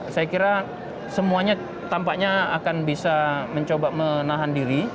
saya kira semuanya tampaknya akan bisa mencoba menahan diri